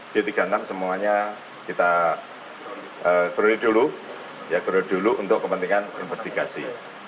g tiga puluh enam semuanya kita krui dulu untuk kepentingan investigasi